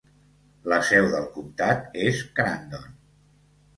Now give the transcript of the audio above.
La seu del comtat és Crandon.